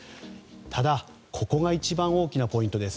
ただ、ここが一番大きなポイントです。